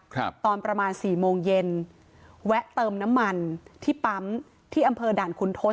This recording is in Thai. ครับตอนประมาณสี่โมงเย็นแวะเติมน้ำมันที่ปั๊มที่อำเภอด่านคุณทศ